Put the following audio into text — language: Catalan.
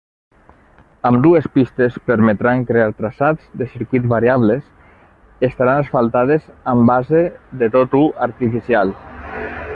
Ambdues pistes permetran crear traçats de circuit variables, estaran asfaltades amb base de tot-u artificial.